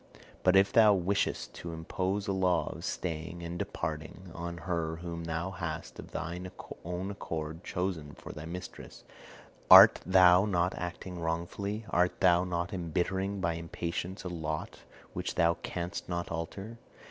But if thou wishest to impose a law of staying and departing on her whom thou hast of thine own accord chosen for thy mistress, art thou not acting wrongfully, art thou not embittering by impatience a lot which thou canst not alter?